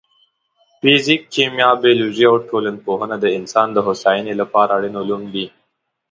فزیک، کیمیا، بیولوژي او ټولنپوهنه د انسان د هوساینې لپاره اړین علوم دي.